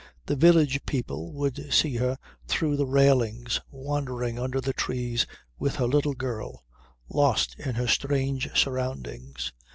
The village people would see her through the railings wandering under the trees with her little girl lost in her strange surroundings.